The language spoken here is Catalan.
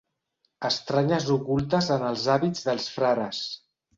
Estranyes ocultes en els hàbits dels frares.